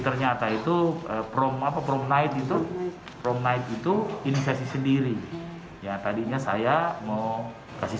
ternyata itu prom apa prom night itu prom night itu inisiasi sendiri ya tadinya saya mau kasih